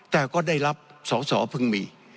แต่ก็ได้รับสอพึงมี